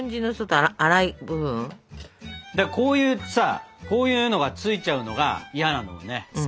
こういうさこういうのがついちゃうのが嫌なんだもんね。